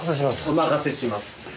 お任せします。